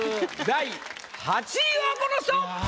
第８位はこの人！